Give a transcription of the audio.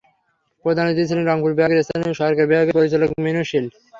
প্রধান অতিথি ছিলেন রংপুর বিভাগের স্থানীয় সরকার বিভাগের পরিচালক মিনু শীল।